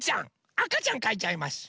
あかちゃんかいちゃいます。